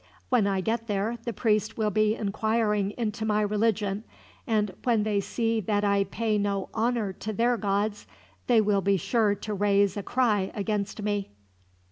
"When I get there, the priest will be inquiring into my religion, and when they see that I pay no honor to their gods, they will be sure to raise a cry against me.